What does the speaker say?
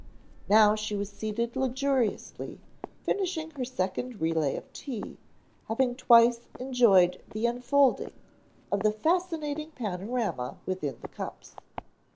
Now she was seated luxuriously finishing her second relay of tea, having twice enjoyed the unfolding of the fascinating panorama within the cups.